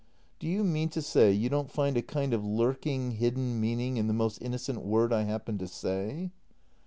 ] Do you mean to say you don't find a kind of lurking, hidden meaning in the most innocent word I happen to say?